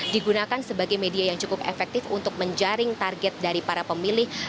digunakan sebagai media yang cukup efektif untuk menjaring target dari para pemilih